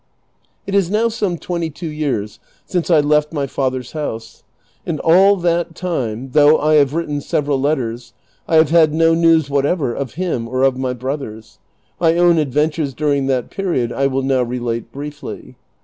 It is now some twenty two years since I left my father's house, and all that time, though I have written several letters, I have had no news whatever of him or of my brothers ; my own adventures during that period I will now relate briefly.